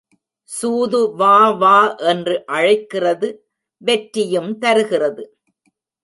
சூது வா வா என்று அழைக்கிறது வெற்றியும் தருகிறது.